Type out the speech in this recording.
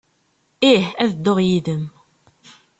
Ih, ad dduɣ yid-m.